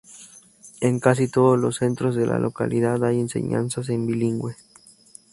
En casi todos los centros de la localidad hay enseñanzas en bilingüe.